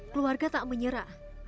keluarga tak menyerah